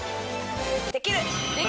できる。